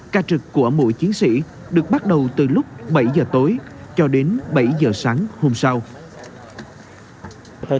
ca trực của mỗi chiến sĩ được bắt đầu từ lúc bảy h tối cho đến bảy h sáng hôm sáng